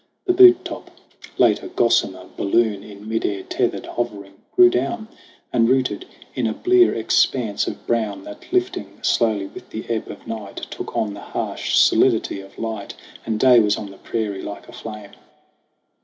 The butte top, late a gossamer balloon In mid air tethered hovering, grew down And rooted in a blear expanse of brown, That, lifting slowly with the ebb of night, Took on the harsh solidity of light And day was on the prairie like a flame.